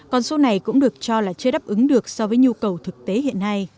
còn số này cũng được cho là chưa đáp ứng được so với nhu cầu thực tế hiện nay